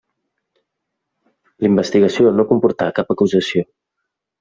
La investigació no comportà cap acusació.